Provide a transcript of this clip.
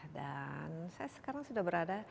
dan saya sekarang sudah berada di istana